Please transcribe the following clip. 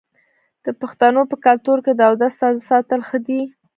د پښتنو په کلتور کې د اودس تازه ساتل ښه دي.